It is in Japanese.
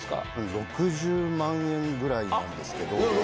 ６０万円ぐらいなんですけど。